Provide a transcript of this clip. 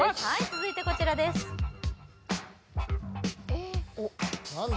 続いてこちらです・何だ？